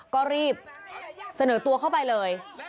ก็รีบเสนอตัวเข้าไปเลย